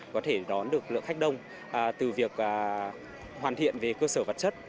có thể đón được lượng khách đông từ việc hoàn thiện về cơ sở vật chất